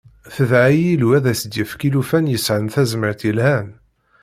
Tedɛa i Yillu ad as-d-yefk llufan yesɛan tazmert yelhan.